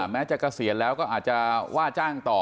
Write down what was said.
แม้จะเกษียณแล้วก็อาจจะว่าจ้างต่อ